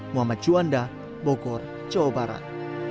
muhammad juanda bogor jawa barat